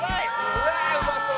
うわあうまそう！